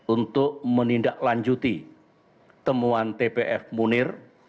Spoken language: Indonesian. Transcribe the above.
untuk menindaklanjuti temuan tpf munir